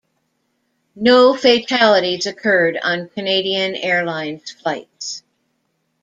No fatalities occurred on Canadian Airlines flights.